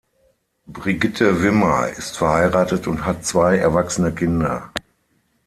Brigitte Wimmer ist verheiratet und hat zwei erwachsene Kinder.